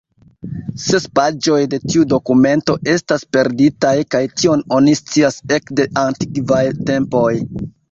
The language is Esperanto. Ses paĝoj de tiu dokumento estas perditaj, kaj tion oni scias ekde antikvaj tempoj.